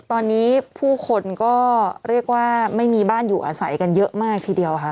ตอนนี้ผู้คนก็เรียกว่าไม่มีบ้านอยู่อาศัยกันเยอะมากทีเดียวค่ะ